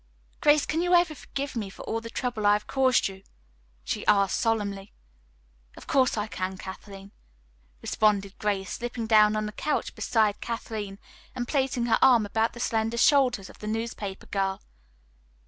"Grace, can you ever forgive me for all the trouble I have caused you?" she asked solemnly. "Of course I can, Kathleen," replied Grace, slipping down on the couch beside Kathleen and placing her arm about the slender shoulders of the newspaper girl.